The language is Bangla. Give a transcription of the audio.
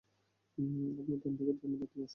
আপনার ডানদিকের ড্রামে লাথি বসান!